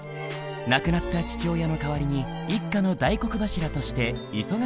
亡くなった父親の代わりに一家の大黒柱として忙しい日々を送っていた。